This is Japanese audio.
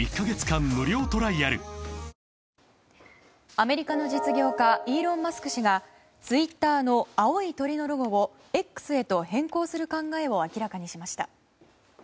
アメリカの実業家イーロン・マスク氏がツイッターの青い鳥のロゴを「Ｘ」へと変更する考えを明らかにしました。